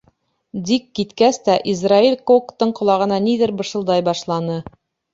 Дик киткәс тә Израэль коктың ҡолағына ниҙер бышылдай башланы.